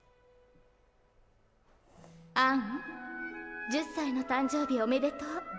アン、１０歳の誕生日おめでとう。